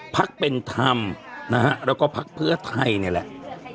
พักเป็นธรรมนะฮะแล้วก็พักเพื่อไทยนี่แหละ